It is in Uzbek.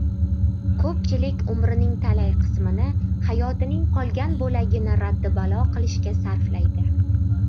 Ko‘pchilik umrining talay qismini hayotining qolgan bo‘lagini raddibalo qilishga sarflaydi.